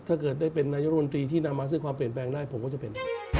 ถ้าเกิดได้เป็นนายกรมนตรีที่นำมาซึ่งความเปลี่ยนแปลงได้ผมก็จะเป็น